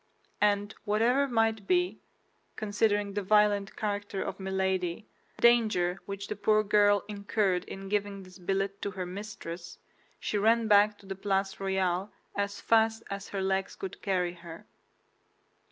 And whatever might be—considering the violent character of Milady—the danger which the poor girl incurred in giving this billet to her mistress, she ran back to the Place Royale as fast as her legs could carry her.